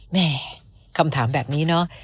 แหมคำถามแบบนี้นะ